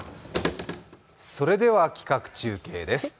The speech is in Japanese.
それでは、企画中継です。